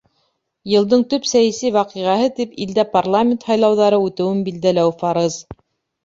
Йылдың төп сәйәси ваҡиғаһы тип илдә парламент һайлауҙары үтеүен билдәләү фарыз.